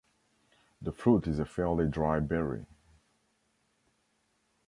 The fruit is a fairly dry berry.